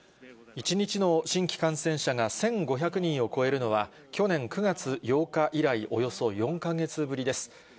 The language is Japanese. １日の新規感染者が１５００人を超えるのは、去年９月８日以来、およそ４か月ぶりです。